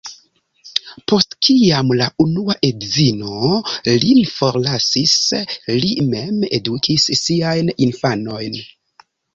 Post kiam la unua edzino lin forlasis li mem edukis siajn infanojn.